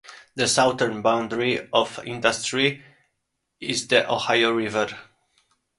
The southern boundary of Industry is the Ohio River.